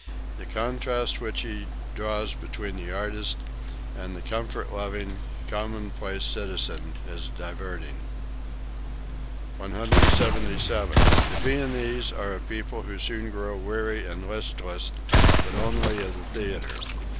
The contrast which he draws between the artist and the comfort loving, commonplace citizen is diverting.) 177. "The Viennese are a people who soon grow weary and listless, but only of the theatre.